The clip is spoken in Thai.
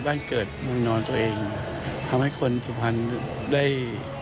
บ้านเกิดเมืองนอนตัวเองทำให้คนสุพรรณได้